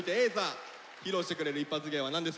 披露してくれるイッパツ芸は何ですか？